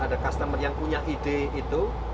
ada customer yang punya ide itu